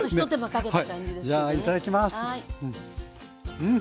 うん！